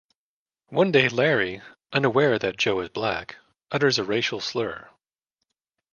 One day Larry, unaware that Joe is black, utters a racial slur.